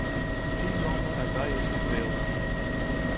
Tien landen erbij is te veel.